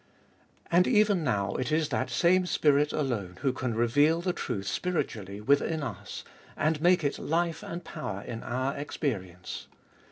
And even now it is that same spirit alone who can reveal the truth spiritually within us, and make it life and power in our experience.